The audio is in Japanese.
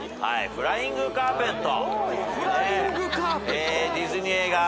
フライングカーペット！？